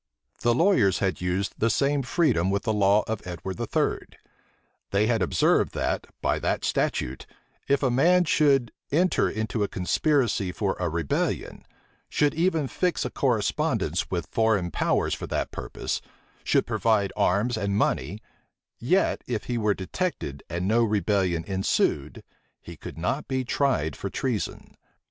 The lawyers had used the same freedom with the law of Edward III. They had observed that, by that statute, if a man should enter into a conspiracy for a rebellion, should even fix a correspondence with foreign powers for that purpose, should provide arms and money, yet, if he were detected, and no rebellion ensued, he could not be tried for treason.